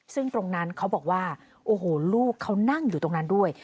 ซึ่งตรงนั้นเขาบอกว่าโอ้โหลูกเขานั่งอยู่ตรงนั้นด้วย